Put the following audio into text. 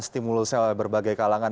stimulusnya oleh berbagai kalangan